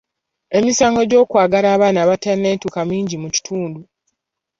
Emisango gy'okwagala abaana abatanneetuuka mingi mu kitundu.